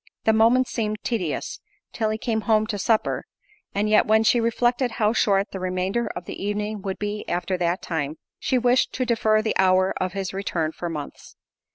The moments seemed tedious till he came home to supper, and yet, when she reflected how short the remainder of the evening would be after that time, she wished to defer the hour of his return for months.